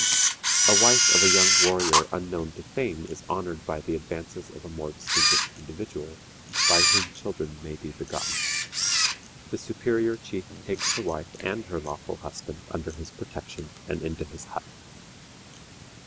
A wife of a young warrior unknown to fame is honored by the advances of a more distinguished individual, by whom children may be begotten. The superior chief takes the wife and her lawful husband under his protection and into his hut.